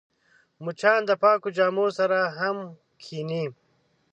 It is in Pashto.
مچان د پاکو جامو سره هم کښېني